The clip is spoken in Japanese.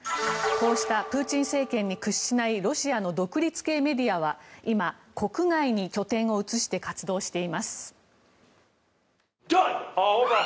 こうしたプーチン政権に屈しないロシアの独立系メディアは今、国外に拠点を移して活動しています。